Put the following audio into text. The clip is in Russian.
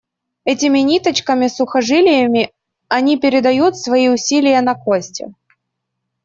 Этими ниточками-сухожилиями они передают свои усилия на кости.